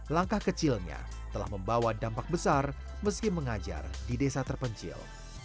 langkah kecilnya telah membawa dampak besar meski mengajar di desa terpencil